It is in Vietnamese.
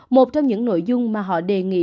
một trong những nội dung mà họ đề nghị